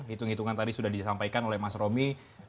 hitung hitungan tadi sudah disampaikan oleh mas romi